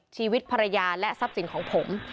ชีวิตภรรยาและทรัพย์สินของผม